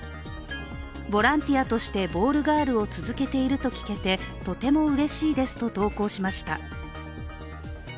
ボランティアとしてボールガールを続けていると聞けてとてもうれしいですと投稿しました。